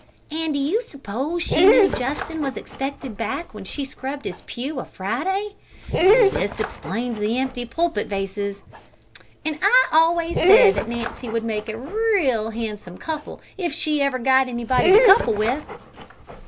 ("And do you s'pose she knew Justin was expected back when she scrubbed his pew a Friday?") ("And this explains the empty pulpit vases!") ("And I always said that Nancy would make a real handsome couple if she ever got anybody to couple with!")